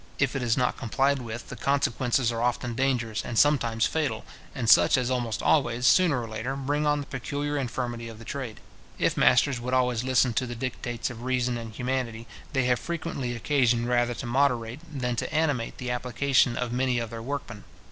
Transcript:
If it is not complied with, the consequences are often dangerous and sometimes fatal, and such as almost always, sooner or later, bring on the peculiar infirmity of the trade. If masters would always listen to the dictates of reason and humanity, they have frequently occasion rather to moderate, than to animate the application of many of their workmen.